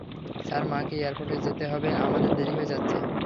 Sir, মাকে এয়ারপোর্টে যেতে হবে, আমাদের দেরি হয়ে যাচ্ছে।